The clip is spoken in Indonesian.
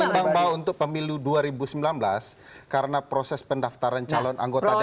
menimbang bahwa untuk pemilu dua ribu sembilan belas karena proses pendaftaran calon anggota dpd itu dulu